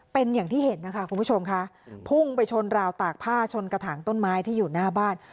เป็นอย่างที่เห็นนะคะคุณผู้ชมค่ะพุ่งไปชนราวตากผ้าชนกระถางต้นไม้ที่อยู่หน้าบ้าน